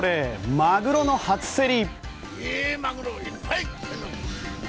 マグロの初競り。